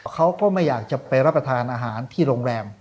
เขาก็ไม่อยากจะไปรับประทานอาหารที่โรงแรม